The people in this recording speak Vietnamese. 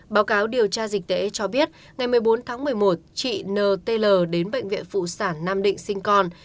báo cáo điều tra dịch tễ cho biết ngày một mươi bốn tháng một mươi một chị n t l đến bệnh viện phụ sản nam định sinh con